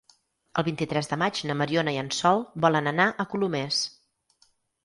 El vint-i-tres de maig na Mariona i en Sol volen anar a Colomers.